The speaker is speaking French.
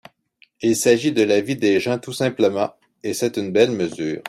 Il s’agit de la vie des gens tout simplement, et c’est une belle mesure.